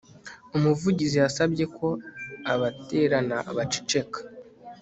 Umuvugizi yasabye ko abaterana baceceka